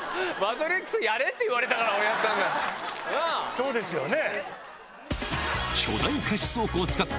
そうですよね。